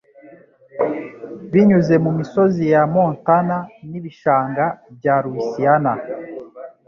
Binyuze mu misozi ya Montana n'ibishanga bya Louisiana